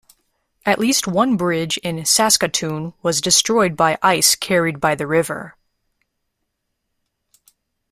At least one bridge in Saskatoon was destroyed by ice carried by the river.